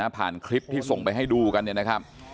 ผ่านคลิปที่ส่งไปให้ดูกันนะครับ